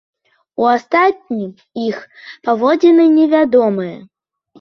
У астатнім іх паводзіны невядомыя.